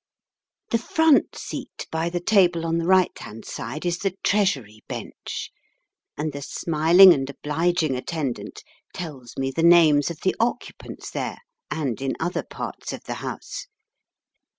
The front seat by the table on the right hand side is the Treasury bench, and the smiling and obliging attendant tells me the names of the occupants there and in other parts of the House.